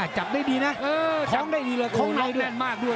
จับได้ดีนะข้องได้ดีเลยข้องในด้วย